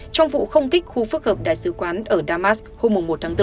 trong vụ không kích khu phức hợp đại sứ quán ở damas hôm một tháng bốn